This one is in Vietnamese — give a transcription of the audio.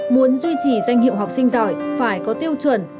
muốn duy trì danh hiệu học sinh giỏi phải có tiêu chuẩn